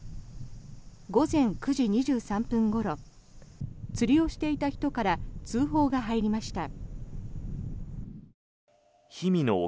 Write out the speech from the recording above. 午前９時２３分ごろ釣りをしていた人から通報が入りました。